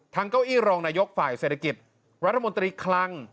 เก้าอี้รองนายกฝ่ายเศรษฐกิจรัฐมนตรีคลัง